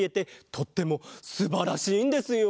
とってもすばらしいんですよ。